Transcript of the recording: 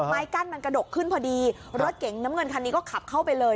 ไม้กั้นมันกระดกขึ้นพอดีรถเก๋งน้ำเงินคันนี้ก็ขับเข้าไปเลย